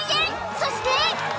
そして。